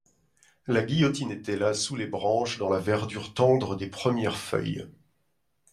La guillotine était là, sous les branches, dans la verdure tendre des premières feuilles.